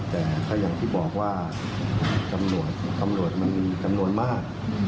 แต่อย่างที่บอกว่ากำหนวดมันมีกำหนวดมาก